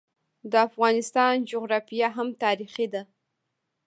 د افغانستان جغرافیه هم تاریخي ده.